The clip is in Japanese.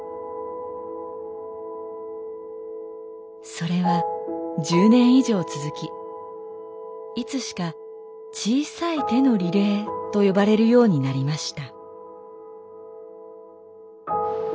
それは１０年以上続きいつしか小さい手のリレーと呼ばれるようになりました。